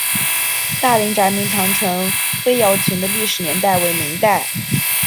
大岭寨明长城灰窑群的历史年代为明代。